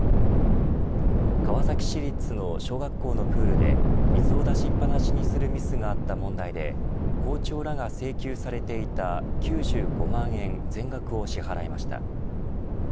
川崎市立の小学校のプールで水を出しっぱなしにするミスがあった問題で校長らが請求されていた９５万円全額を支払いました。